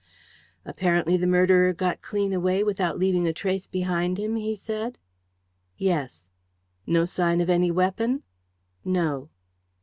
"Apparently the murderer has got clean away without leaving a trace behind him?" he said. "Yes." "No sign of any weapon?" "No."